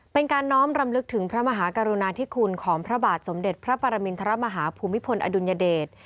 เป็นการน้อมรำลึกถึงพระมหากรุณาธิคุณของพระบาทสมเด็จพระปรมินทรมาฮาภูมิพลอดุลยเดช